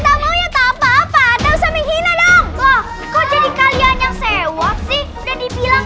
tahu ya tak apa apa atau seminggu dong loh kau jadi kalian yang sewak sih udah dibilang